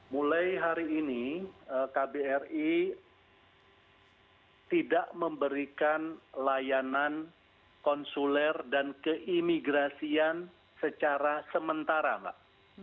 mulai hari ini kbri tidak memberikan layanan konsuler dan keimigrasian secara sementara mbak